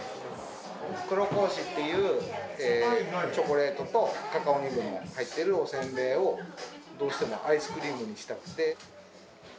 黒格子っていうチョコレートとカカオニブが入ってるおせんべいを、どうしてもアイスクリームにしたくて。